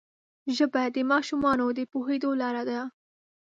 ژبه د ماشومانو د پوهېدو لاره ده